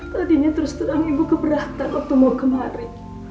tadinya terus terang ibu keberatan waktu mau kemarin